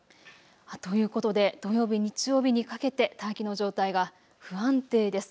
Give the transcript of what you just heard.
ということで土曜日、日曜日にかけて大気の状態が不安定です。